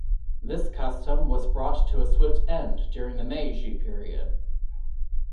This custom was brought to a swift end during the Meiji period.